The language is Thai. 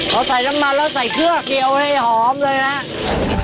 เราใส่น้ำมันแล้วใส่เครือเกลียวให้หอมเลยนะ